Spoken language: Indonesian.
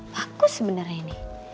bagus sebenernya ini